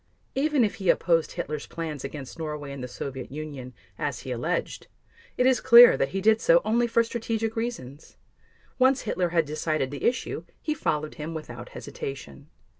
Even if he opposed Hitler's plans against Norway and the Soviet Union, as he alleged, it is clear that he did so only for strategic reasons; once Hitler had decided the issue, he followed him without hesitation.